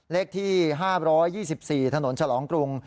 เลขที่๕๒๔ถนนฉลองกรุง